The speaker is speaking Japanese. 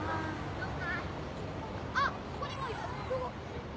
・どこ？